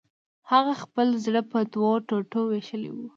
هغه خپل زړه په دوو ټوټو ویشلی و